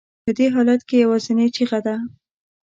په دې حالت کې یوازینۍ چیغه ده.